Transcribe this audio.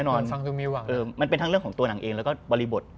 ก็ดูมีหวังมีหวังแน่นอนมันเป็นทั้งเรื่องของตัวหนังเองแล้วก็บริบท